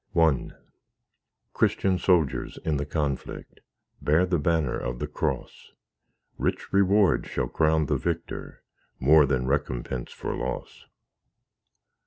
I Christian soldiers in the conflict! Bear the banner of the cross; Rich reward shall crown the victor, More than recompense for loss.